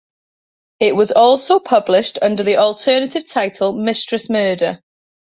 It was also published under the alternative title Mistress Murder.